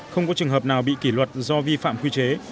không có trường hợp nào bị kỷ luật do vi phạm quy chế